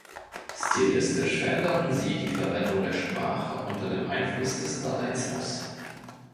Stilistisch veränderten sie die Verwendung der Sprache unter dem Einfluss des Dadaismus.